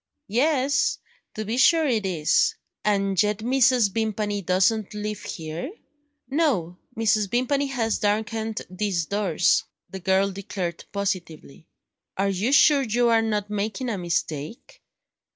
"Yes, to be sure it is." "And yet Mrs. Vimpany doesn't live here?" "No Mrs. Vimpany has darkened these doors," the girl declared positively. "Are you sure you are not making a mistake?"